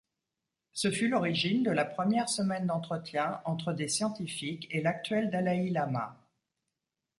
Ce fut l'origine de la première semaine d'entretiens entre des scientifiques et l'actuel dalaï-lama.